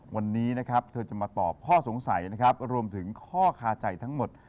วันนี้เธอจะมาตอบข้อสงสัยรวมถึงข้อคาใจทั้งหมด